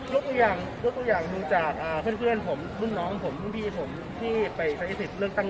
ยกตัวอย่างดูจากเพื่อนผมรุ่นน้องผมรุ่นพี่ผมที่ไปใช้สิทธิ์เลือกตั้ง